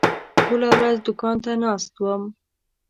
ټوله ورځ دوکان ته ناست وم.